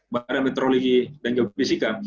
badan meteorologi dan geopisika